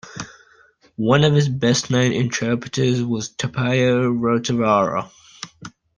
One of his best-known interpreters was Tapio Rautavaara.